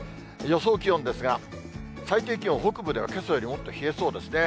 予想気温ですが、最低気温、北部ではけさよりもっと冷えそうですね。